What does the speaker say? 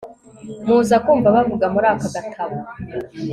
muza kumva bavuga muri aka gatabo